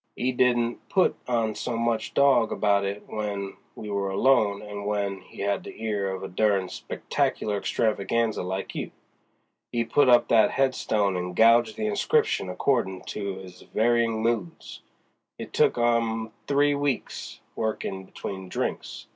He didn't put on so much dog about it w'en we were alone as w'en he had the ear of a denied Spectacular Extravaganza like you. 'E put up that headstone and gouged the inscription accordin' to his varyin' moods. It took 'im three weeks, workin' between drinks.